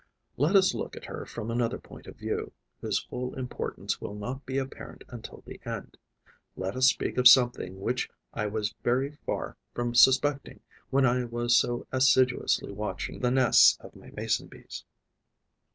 Let us look at her from another point of view, whose full importance will not be apparent until the end; let us speak of something which I was very far from suspecting when I was so assiduously watching the nests of my Mason bees.